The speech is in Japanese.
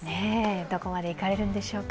どこまでいかれるんでしょうか。